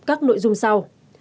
các nội dung sau